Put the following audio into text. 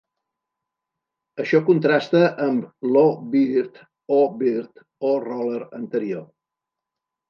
Això contrasta amb l'"Oh Bird, Oh Bird, Oh Roller" anterior.